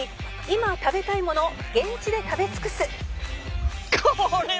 今食べたいものを現地で食べ尽くす